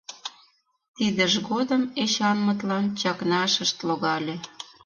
Тидыж годым Эчанмытлан чакнашышт логале.